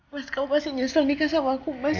mas kamu pasti nyesel nikah sama aku mas